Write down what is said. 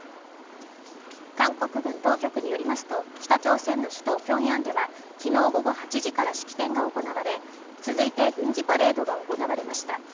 韓国軍当局によりますと、北朝鮮の首都ピョンヤンでは昨日午後８時から式典が行われ続いて軍事パレードが行われました。